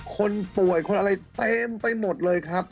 คนป่วยคนอะไรเต็มไปหมดเลยครับ